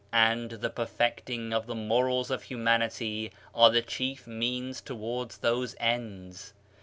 And the perfecting of the morals of humanity are the chief means towards those ends.